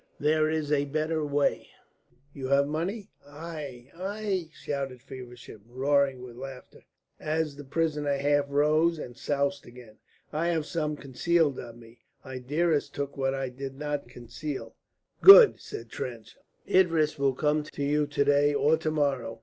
"There is a better way. You have money?" "Ai, ai!" shouted Feversham, roaring with laughter, as the prisoner half rose and soused again. "I have some concealed on me. Idris took what I did not conceal." "Good!" said Trench. "Idris will come to you to day or to morrow.